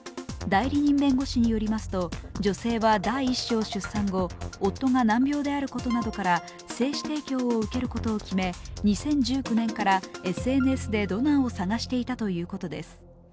代理人弁護士によりますと、女性は第１子を出産後、夫が難病であることなどから精子提供を受けることを決め２０１９年からＳＮＳでドナーを探していたということです。